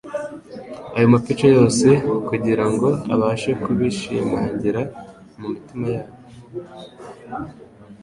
ayo mapica yose no kugira ngo abashe kubishimangira mu mitima yabo.